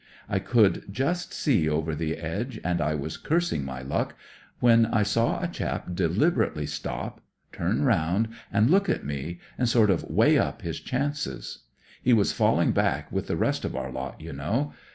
I could just see over the edge, and I was cursing my luck, when I saw a chap deliberately stop, turn round and look at me, and sort of weigh up his chances. He was falling back with the rest of our lot, you know.